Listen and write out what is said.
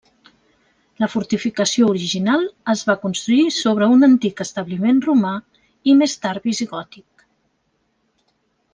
La fortificació original es va construir sobre un antic establiment romà i més tard visigòtic.